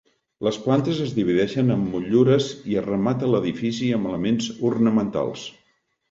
Les plantes es divideixen amb motllures i es remata l'edifici amb elements ornamentals.